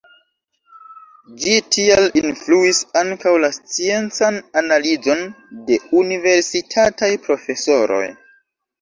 Ĝi tial influis ankaŭ la sciencan analizon de universitataj profesoroj.